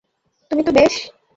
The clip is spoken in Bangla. তুমি তো বেশ!